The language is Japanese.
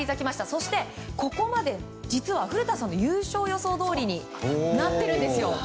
そしてここまで実は古田さんの優勝予想どおりになっているんですよ。